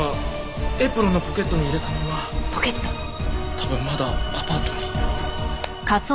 多分まだアパートに。